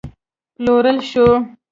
پلورل شو